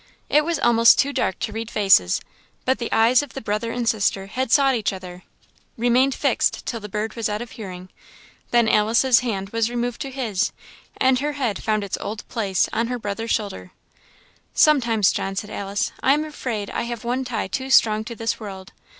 It was almost too dark to read faces, but the eyes of the brother and sister had sought each other, remained fixed till the bird was out of hearing; then Alice's hand was removed to his, and her head found its old place on her brother's shoulder. "Sometimes, John," said Alice, "I am afraid I have one tie too strong to this world.